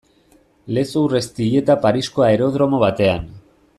Lezo Urreiztieta Parisko aerodromo batean.